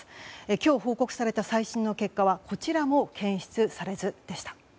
今日、報告された最新の結果はこちらも検出されずでした。